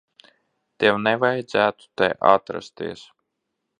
Tev nevajadzētu te atrasties.